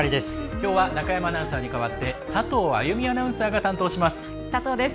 きょうは中山アナウンサーに代わって佐藤あゆみアナウンサーが担当します。